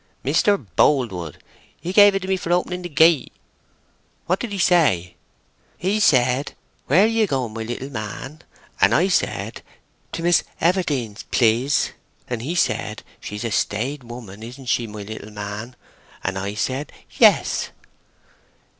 "Mis terr Bold wood! He gave it to me for opening the gate." "What did he say?" "He said, 'Where are you going, my little man?' and I said, 'To Miss Everdene's please,' and he said, 'She is a staid woman, isn't she, my little man?' and I said, 'Yes.